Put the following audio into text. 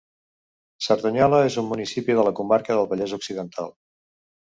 Cerdanyola és un municipi de la comarca del Vallès Occidental.